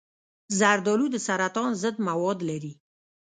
زردآلو د سرطان ضد مواد لري.